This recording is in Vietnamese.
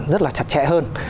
rất là chặt chẽ hơn